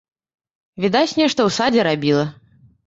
Відаць, нешта ў садзе рабіла.